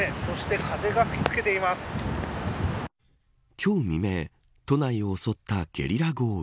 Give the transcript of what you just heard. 今日未明都内を襲ったゲリラ豪雨。